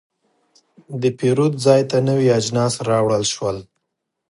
د پیرود ځای ته نوي اجناس راوړل شول.